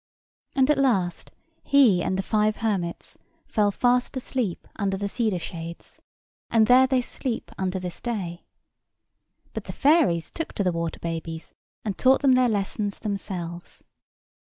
And at last he and the five hermits fell fast asleep under the cedar shades, and there they sleep unto this day. But the fairies took to the water babies, and taught them their lessons themselves.